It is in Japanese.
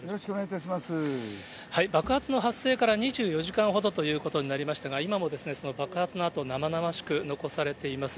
爆発の発生から２４時間ほどということになりましたが、今もその爆発の跡、生々しく残されています。